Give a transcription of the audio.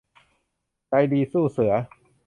ใจดีสู้เสือ